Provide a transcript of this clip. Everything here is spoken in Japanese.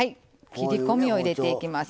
切り込みを入れていきますよ。